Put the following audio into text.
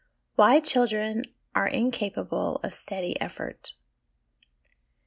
Why Children are incapable of Steady Effort.